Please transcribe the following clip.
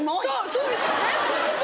そうですよね。